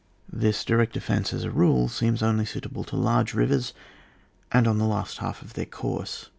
This direct defence, as a rule, seems only suitable to large rivers, and on the last half of their course.